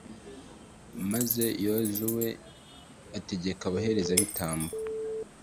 maze yozuwe ategeka abaherezabitambo